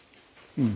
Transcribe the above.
うん。